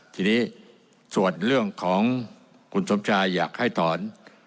ทีนี้ส่วนเรื่องของคุณสมชายอยากให้ถอน